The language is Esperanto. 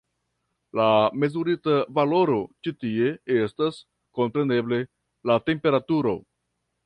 La mezurita valoro ĉi tie estas, kompreneble, la temperaturo.